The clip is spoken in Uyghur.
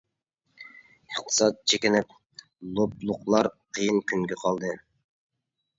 ئىقتىساد چېكىنىپ لوپلۇقلار قىيىن كۈنگە قالدى.